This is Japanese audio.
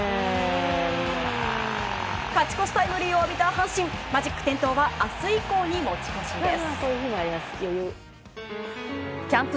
勝ち越しタイムリーを浴びた阪神マジック点灯は明日以降に持ち越しです。